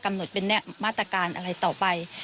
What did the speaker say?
หมดเป็นมาตรการอะไรต่อไป